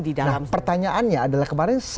di dalam nah pertanyaannya adalah kemarin